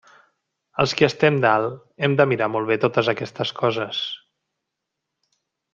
Els qui estem dalt hem de mirar molt bé totes aquestes coses.